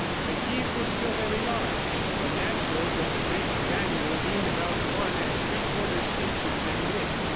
The keys were still very large, the naturals of the great manual being about one and three quarters inches in width.